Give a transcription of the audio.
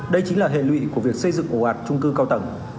đây chính là hệ lụy của việc xây dựng ổ ạt trung cư cao tầng